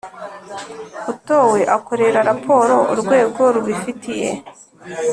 Utowe akorera raporo urwego rubifitiye